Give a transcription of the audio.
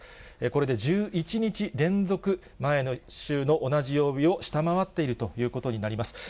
これで１１日連続、前の週の同じ曜日を下回っているということになります。